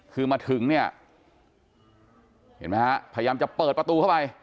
คือมาถึงเนี่ยเห็นไหมฮะพยายามจะเปิดประตูเข้าไป